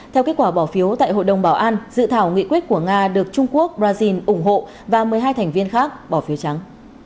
theo kết quả bỏ phiếu tại hội đồng bảo an dự thảo nghị quyết của nga được trung quốc brazil ủng hộ và một mươi hai thành viên khác bỏ phiếu trắng